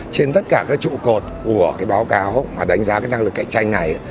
trên tất cả cái trụ cột của cái báo cáo mà đánh giá cái năng lực cạnh tranh này